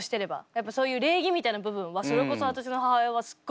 やっぱそういう礼儀みたいな部分はそれこそ私の母親はすっごい